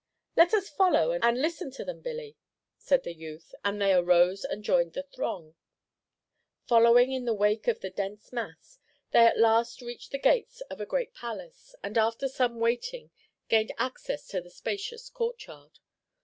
"Let us follow and listen to them, Billy," said the youth; and they arose and joined the throng. Following in the wake of the dense mass, they at last reached the gates of a great palace, and after some waiting gained access to the spacious courtyard.